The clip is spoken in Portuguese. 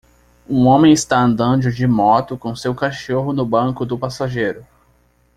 Um homem está andando de moto com seu cachorro no banco do passageiro.